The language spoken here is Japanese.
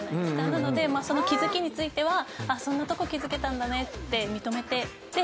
なのでその気付きについてはそんなとこ気付けたんだねって認めてで。